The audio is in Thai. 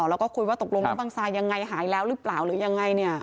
แล้วก็คุยว่าตกลงแล้วบังซายังไงหายแล้วหรือเปล่าหรือยังไงเนี่ย